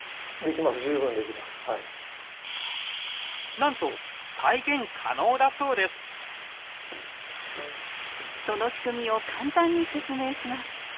なんとその仕組みを簡単に説明します。